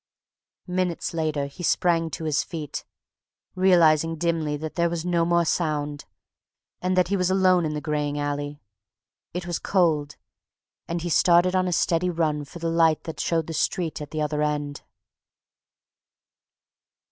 _ Minutes later he sprang to his feet, realizing dimly that there was no more sound, and that he was alone in the graying alley. It was cold, and he started on a steady run for the light that showed the street at the other end.